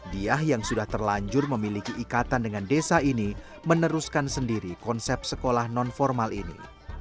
dia yang sudah terlanjur memiliki ikatan dengan desa ini meneruskan sendiri konsep sekolah non formal ini